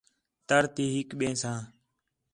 تڑ تی ہِک ٻئیں ساں